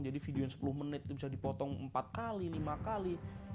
jadi video yang sepuluh menit bisa dipotong empat kali lima kali